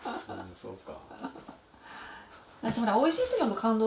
そうか。